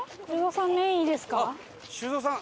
修造さん